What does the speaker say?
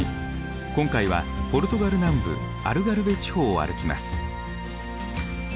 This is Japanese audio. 今回はポルトガル南部アルガルヴェ地方を歩きます。